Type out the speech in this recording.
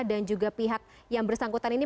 dan juga pihak yang bersangkutan ini